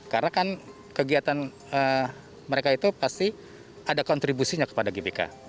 karena kan kegiatan mereka itu pasti ada kontribusinya kepada gbk